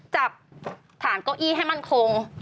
จับฐานเก้าอี้ให้มั่นคง